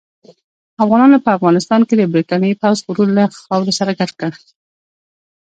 افغانانو په افغانستان کې د برتانیې پوځ غرور له خاورو سره ګډ کړ.